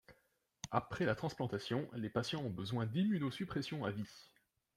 Après la transplantation, les patients ont besoin d'immunosuppression à vie.